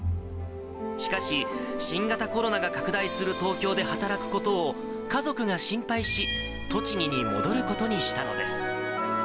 しかし、新型コロナが拡大する東京で働くことを家族が心配し、栃木に戻ることにしたのです。